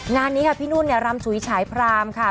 งานนี้ค่ะพี่นุ่นเนี่ยรำฉุยฉายพรามค่ะ